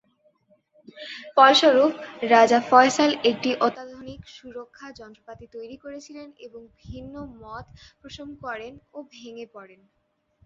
ফলস্বরূপ, রাজা ফয়সাল একটি অত্যাধুনিক সুরক্ষা যন্ত্রপাতি তৈরি করেছিলেন এবং ভিন্নমত পোষণ করেন ও ভেঙে পড়েন।